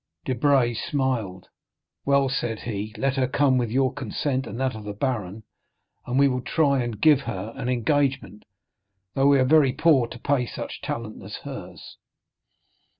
Debray smiled. "Well," said he, "let her come, with your consent and that of the baron, and we will try and give her an engagement, though we are very poor to pay such talent as hers."